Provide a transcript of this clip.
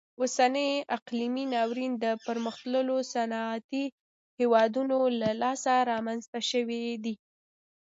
اوسنی اقلیمي ناورین د پرمختللو صنعتي هیوادونو له لاسه رامنځته شوی دی.